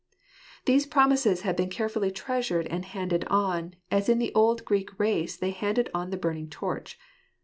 These promises had been carefully treasured and handed on, as in the old Greek race they handed on the burning torch.